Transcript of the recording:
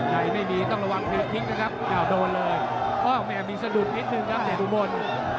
แล้วตอนนี้ต้องระวังแค่ทิ้งโดดเลยมีสะดุดนิดนึงครับเด็กอุบรณ์